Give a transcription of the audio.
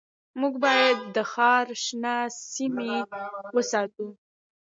موږ باید د ښار شنه سیمې وساتو